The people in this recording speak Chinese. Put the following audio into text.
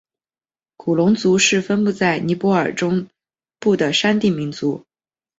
古隆族是分布在尼泊尔中部的山地民族。